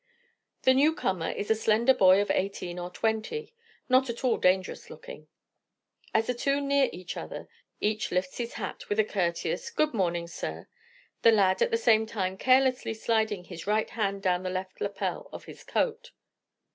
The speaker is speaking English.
The new comer is a slender boy of eighteen or twenty, not at all dangerous looking. As the two near each other each lifts his hat with a courteous, "Good morning, sir," the lad at the same time carelessly sliding his right hand down the left lappel of his coat.